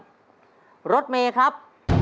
เรื่องรถเมครับ